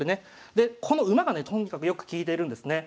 でこの馬がねとにかくよく利いているんですね。